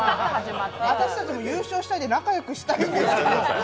私たちも優勝して仲良くしたんですけど。